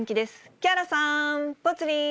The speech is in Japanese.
木原さん、ぽつリン。